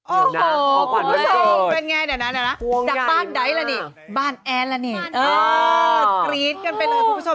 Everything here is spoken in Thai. โอ้โฮโหครูผู้ชม